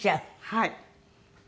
はい。